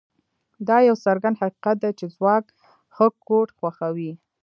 دا یو څرګند حقیقت دی چې ځواک ښه کوډ خوښوي